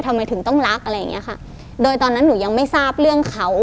ทำไมถึงต้องรักอะไรอย่างเงี้ยค่ะโดยตอนนั้นหนูยังไม่ทราบเรื่องเขา